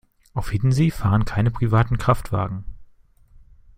Auf Hiddensee fahren keine privaten Kraftwagen.